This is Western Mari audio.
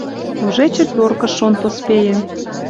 Уже четверкыш шон поспеен